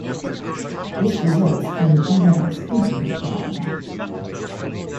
This results in the "Emacs pinky" problem.